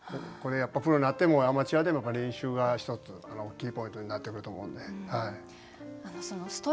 これやっぱりプロになってもアマチュアでも練習が一つキーポイントになってくると思うんで。